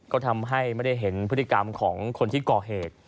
ก็ทำให้ไม่ได้เห็นพฤติกรรมของคนที่ก่อเหตุ